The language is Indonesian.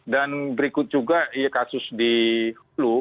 dan berikut juga kasus di hulu